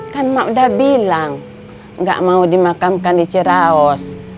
kan mak udah bilang gak mau dimakamkan diciraus